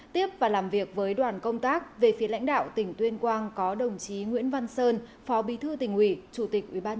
tiếp và làm việc với đoàn công tác về phía lãnh đạo tỉnh tuyên quang có đồng chí nguyễn văn sơn phó bí thư tỉnh ủy chủ tịch ubnd